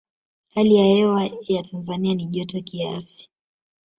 hali ya hewa ya tanzania ni joto kiasi